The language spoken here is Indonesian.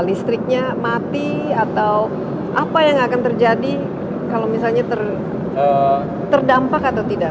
listriknya mati atau apa yang akan terjadi kalau misalnya terdampak atau tidak